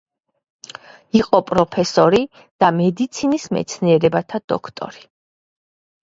იყო პროფესორი და მედიცინის მეცნიერებათა დოქტორი.